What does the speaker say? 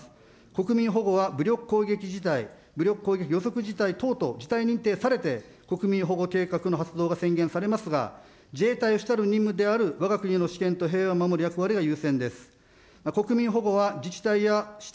国民保護は武力攻撃予測事態等々、武力認定されて国民保護計画の発動が宣言されますが、自衛隊が主たる任務であるわが国の主権と平和を守る役割は優先です。